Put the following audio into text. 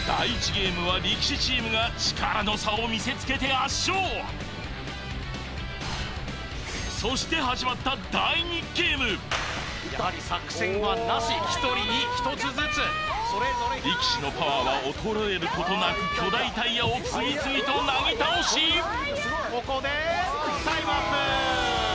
ゲームは力士チームが力の差を見せつけて圧勝そして始まったやはり作戦はなし１人に１つずつ力士のパワーは衰えることなく巨大タイヤを次々となぎ倒しここでタイムアップ